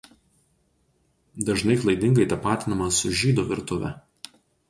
Dažnai klaidingai tapatinama su žydų virtuve.